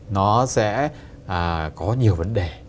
nó sẽ có nhiều vấn đề